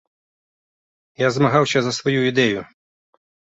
Я змагаўся за сваю ідэю.